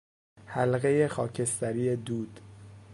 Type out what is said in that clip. حلقهی خاکستری دود